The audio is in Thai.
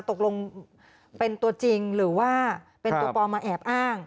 ตกลงเป็นตัวจริงหรือว่าเป็นตัวปลอมมาแอบอ้าง